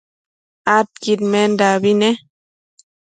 adquidmendabi ne